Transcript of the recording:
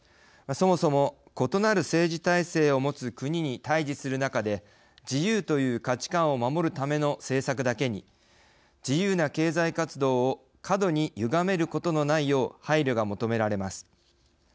そもそも異なる政治体制を持つ国に対じする中で自由という価値観を守るための政策だけに自由な経済活動を過度にゆがめることのないよう配慮が求められます。